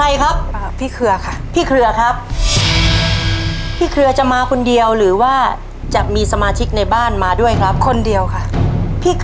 และกุญแจต่อชีวิต